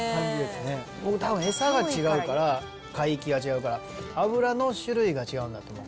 たぶん、餌が違うから、海域が違うから、脂の種類が違うんだと思う。